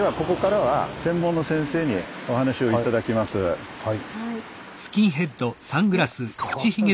はい。